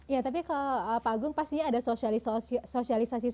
ya tapi pak agung pastinya ada sosialisasi sosial